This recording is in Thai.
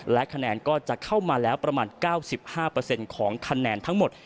และคะแนนก็จะเข้ามาแล้วประมาณ๙๕ของคะแนนทั้งหมด